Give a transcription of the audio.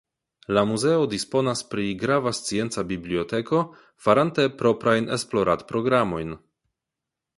La muzeo disponas pri grava scienca biblioteko farante proprajn esploradprogramojn.